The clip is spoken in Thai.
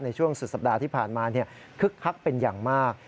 ในช่วงสุดสัปดาห์ที่ผ่านมาคึกคักเป็นอย่างมาก